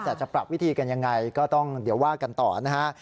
แต่จะปรับวิธีกันยังไงก็ต้องเดี๋ยวว่ากันต่อนะฮะ